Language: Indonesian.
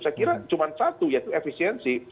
saya kira cuma satu yaitu efisiensi